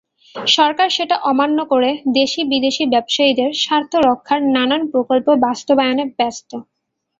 সরকার সেটা অমান্য করে দেশি-বিদেশি ব্যবসায়ীদের স্বার্থ রক্ষার নানান প্রকল্প বাস্তবায়নে ব্যস্ত।